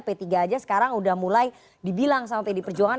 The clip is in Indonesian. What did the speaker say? p tiga saja sekarang sudah mulai dibilang sama pdi perjuangan